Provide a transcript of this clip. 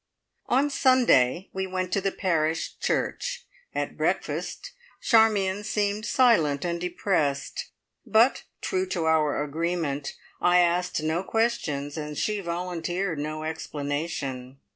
On Sunday we went to the Parish Church. At breakfast, Charmion seemed silent and depressed; but, true to our agreement, I asked no questions, and she volunteered no explanation.